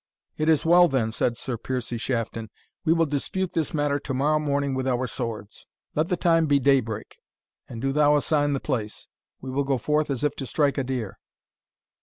"It is well, then," said Sir Piercie Shafton; "we will dispute this matter to morrow morning with our swords. Let the time be daybreak, and do thou assign the place. We will go forth as if to strike a deer."